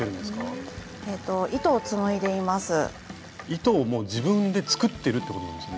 糸をもう自分で作ってるってことなんですよね？